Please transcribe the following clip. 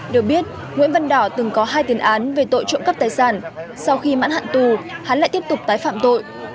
được biết nguyễn vân đỏ từng có hai tiến án về tội trộm cấp tài sản sau khi mãn hạn tù hắn lại tiếp tục tái phạm tội